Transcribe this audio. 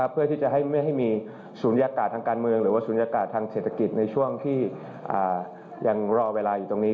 เพื่อที่จะให้ไม่ให้มีศูนยากาศทางการเมืองหรือว่าศูนยากาศทางเศรษฐกิจในช่วงที่ยังรอเวลาอยู่ตรงนี้